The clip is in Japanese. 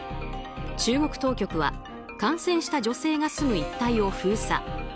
中国当局は感染した女性が住む一帯を封鎖。